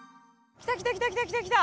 来た来た来た来た来た来た！